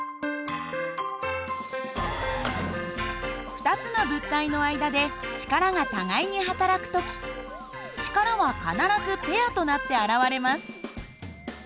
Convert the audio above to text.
２つの物体の間で力が互いにはたらく時力は必ずペアとなって現れます。